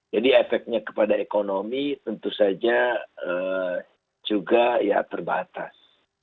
jadi efeknya kepada ekonomi tentu saja juga ya terbatas